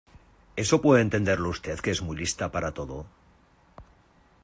¿ eso puede entenderlo usted que es muy lista para todo?